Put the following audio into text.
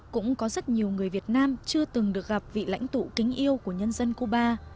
cũng có rất nhiều người việt nam chưa từng được gặp vị lãnh tụ kính yêu của nhân dân cuba